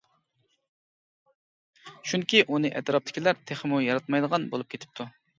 چۈنكى ئۇنى ئەتراپتىكىلەر تېخىمۇ ياراتمايدىغان بولۇپ كېتىپتۇ.